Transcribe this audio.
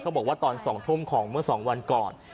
บอกว่าตอน๒ทุ่มของเมื่อ๒วันก่อน